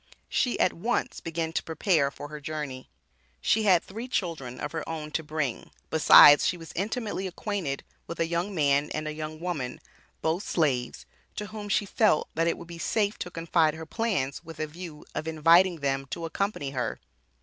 She at once began to prepare for her journey. She had three children of her own to bring, besides she was intimately acquainted with a young man and a young woman, both slaves, to whom she felt that it would be safe to confide her plans with a view of inviting them to accompany her.